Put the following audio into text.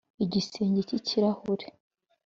igisenge cy'ikirahure